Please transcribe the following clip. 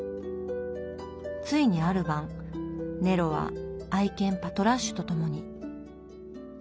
ついにある晩ネロは愛犬パトラッシュと共に。